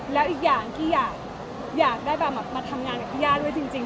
แล้วอีกอย่างที่อยากได้แบบมาทำงานกับพี่ย่าด้วยจริง